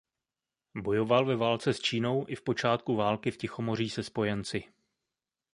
Bojoval ve válce s Čínou i v počátku války v Tichomoří se spojenci.